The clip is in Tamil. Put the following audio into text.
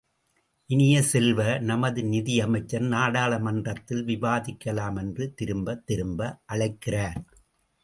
இனிய செல்வ, நமது நிதியமைச்சர் நாடாளுமன்றத்தில் விவாதிக்கலாம் என்று திரும்பத் திரும்ப அழைக்கிறார்.